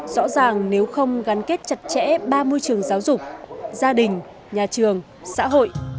rõ ràng nếu không gắn kết chặt chẽ ba môi trường giáo dục gia đình nhà trường xã hội